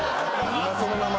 今その名前？